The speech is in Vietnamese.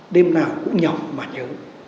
đêm nào cũng nhầm mà nhớ